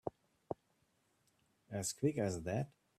As quick as that?